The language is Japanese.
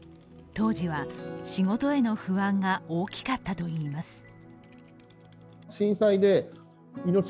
当時は、仕事への不安が大きかったといいます。